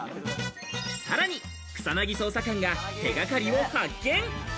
さらに草薙捜査官が手掛かりを発見。